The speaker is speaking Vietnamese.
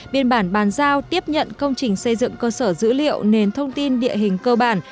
biên bản bàn giao tiếp nhận công trình xây dựng cơ sở dữ liệu nền thông tin địa hình cơ bản